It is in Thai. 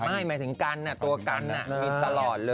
ไม่หมายถึงกันตัวกันตัวกันกินตลอดเลย